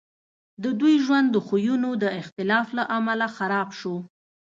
د دوی ژوند د خویونو د اختلاف له امله خراب شو